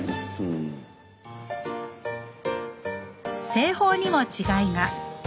製法にも違いが。